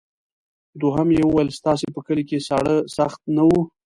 دوهم یې وویل ستاسې په کلي کې ساړه سخت نه وو.